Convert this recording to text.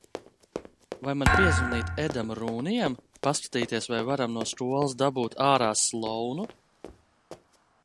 Vai man piezvanīt Edam Rūnijam, paskatīties, vai varam no skolas dabūt ārā Slounu?